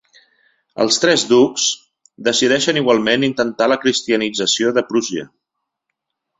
Els tres ducs decideixen igualment intentar la cristianització de Prússia.